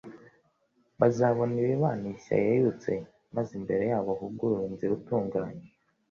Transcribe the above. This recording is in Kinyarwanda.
bazabona ibibanishya yeyutse, maze imbere yabo huguruwe inzira itunganye.